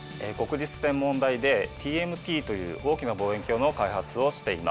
国立天文台でＴＭＴという大きな望遠鏡の開発をしています。